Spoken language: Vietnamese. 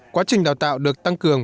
quá trình đào tạo được tăng cường